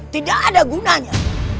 tidak ada gunanya